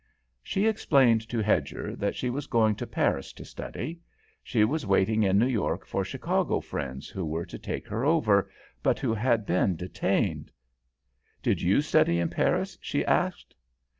'" She explained to Hedger that she was going to Paris to study. She was waiting in New York for Chicago friends who were to take her over, but who had been detained. "Did you study in Paris?" she asked.